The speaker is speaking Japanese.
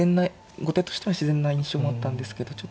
後手としては自然な印象もあったんですけどちょっと。